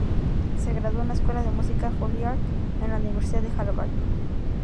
Se graduó en la Escuela de Música Juilliard y en la Universidad de Harvard.